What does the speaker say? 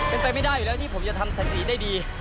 มันเป็นไปไม่ได้แล้วที่ผมจะทำสดิใดดี